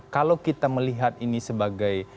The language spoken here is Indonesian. kalau kita melihat ini sebagai